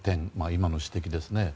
今の指摘ですね。